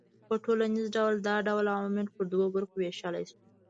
په ټوليز ډول دا ډول عوامل پر دوو برخو وېشلای سو